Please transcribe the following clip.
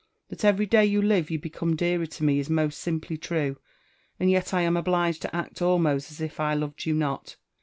That every day you live you become dearer to me is most simply true ; and yet 1 am obliged to act almost as if I loved you not.